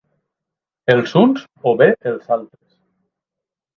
Els uns o bé els altres.